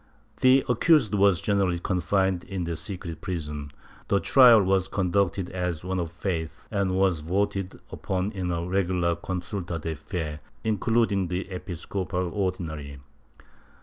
The accused was generally confined in the secret prison, the trial was conducted as one of faith, and was voted upon in a regular consulta de fe, including the episcopal Ordinary.